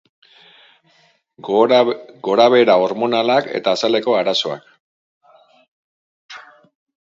Gorabehera hormonalak eta azaleko arazoak.